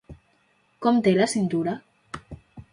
Com té la cintura?